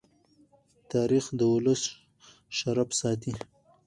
تاریخ د ولس شرف ساتي.